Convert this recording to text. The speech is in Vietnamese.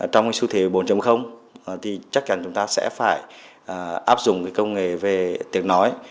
trong sự thể bốn thì chắc chắn chúng ta sẽ phải áp dụng công nghệ về tiếng nói